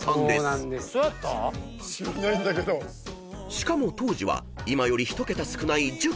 ［しかも当時は今より１桁少ない１０桁］